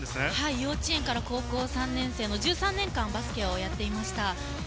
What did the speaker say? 幼稚園から高校３年生まで１３年間バスケをやっていました。